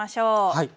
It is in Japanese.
はい。